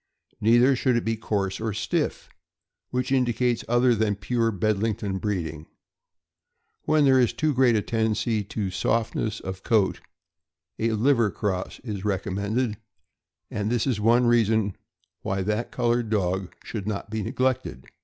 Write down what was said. Neither should it be coarse or stiff, which indicates other than pure Bedlington breeding. When there is too great a tendency to softness of coat, a "liver " cross is recommended, and this is one reason why that col ored dog should not be neglected.